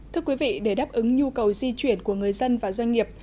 thưa quý vị để đáp ứng nhu cầu di chuyển của người dân và doanh nghiệp